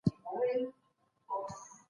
زده کوونکي په نوې موضوع خبرې کوي.